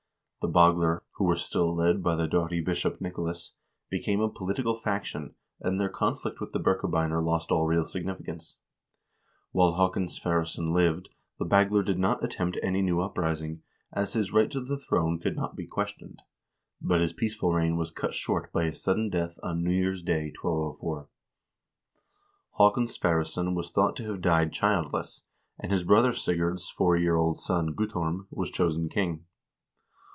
The Bagler, who were still led by the doughty Bishop Nicolas, became a political faction, and their conflict with the Birkebeiner lost all real significance. While Haakon Sverresson lived, the Bagler did not attempt any new uprising, as his right to the throne could not be questioned ; but his peaceful reign was cut short by his sudden death on New Year's day, 1204. Haakon Sverresson was thought to have died childless, and his brother Sigurd's four year old son, Guttorm, was chosen king.